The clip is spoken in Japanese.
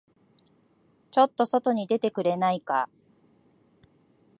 ちょっと外に出てくれないか。